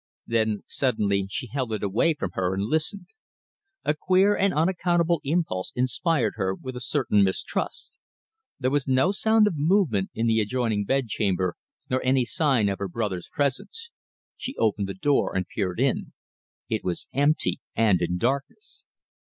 Then suddenly she held it away from her and listened. A queer and unaccountable impulse inspired her with a certain mistrust. There was no sound of movement in the adjoining bedchamber, nor any sign of her brother's presence. She opened the door and peered in. It was empty and in darkness.